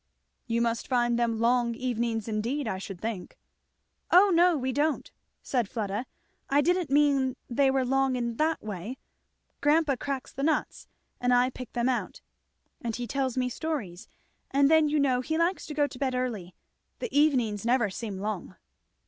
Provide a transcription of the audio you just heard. "You must find them long evenings indeed, I should think." "O no we don't," said Fleda. "I didn't mean they were long in that way. Grandpa cracks the nuts, and I pick them out, and he tells me stories; and then you know he likes to go to bed early. The evenings never seem long."